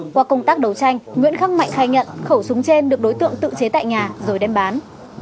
qua công tác đấu tranh nguyễn khắc mạnh khai nhận khẩu súng trên được đối tượng tự chế tại nhà rồi đem bán